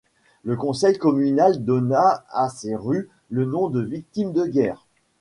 Le conseil communal donna à ces rues le nom de victimes de guerre.